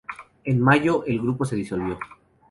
En mayo, el grupo se disolvió.